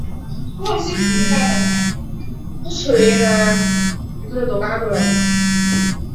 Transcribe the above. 赫兹尔不久也加入了奥鲁奇在杰尔巴岛的海盗新事业。